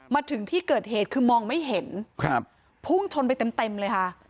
มาถึงที่เกิดเหตุคือมองไม่เห็นครับพุ่งชนไปเต็มเต็มเลยค่ะ